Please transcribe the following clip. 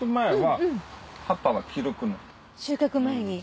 収穫前に？